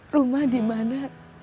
rumah di mana